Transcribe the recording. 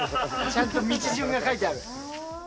ちゃんと道順が書いてある。